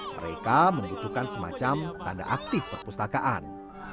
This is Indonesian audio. mereka membutuhkan semacam tanda aktif perpustakaan